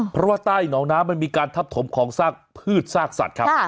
เพราะว่าใต้หนองน้ำมันมีการทับถมของซากพืชซากสัตว์ครับ